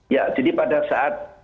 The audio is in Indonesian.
ya jadi pada saat